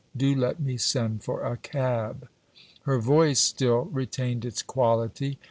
do let me send for a cab." Her voice still retained its quality.